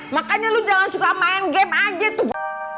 makanya lu jangan suka main game aja tuh